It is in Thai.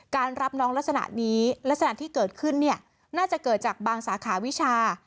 รับน้องลักษณะนี้ลักษณะที่เกิดขึ้นเนี่ยน่าจะเกิดจากบางสาขาวิชา